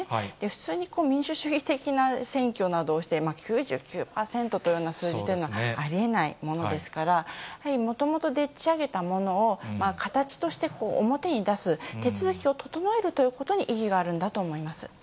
普通に民主主義的な選挙などをして、９９％というような数字というのはありえないものですから、やはりもともとでっちあげたものを、形として表に出す、手続きを整えるということに意義があるんだと思います。